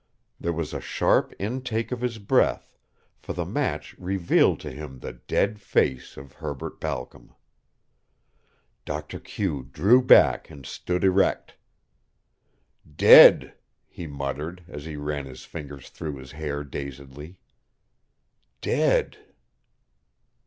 There was a sharp intake of his breath, for the match revealed to him the dead face of Herbert Balcom. Doctor Q drew back and stood erect. "Dead!" he muttered, as he ran his fingers through his hair dazedly. "Dead!"